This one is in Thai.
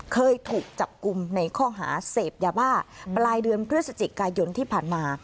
เคยถูกจับกลุ่มในข้อหาเสพยาบ้าปลายเดือนพฤศจิกายนที่ผ่านมา